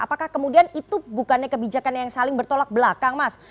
apakah kemudian itu bukannya kebijakan yang saling bertolak belakang mas